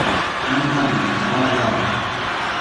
jan ali li tawa lawa.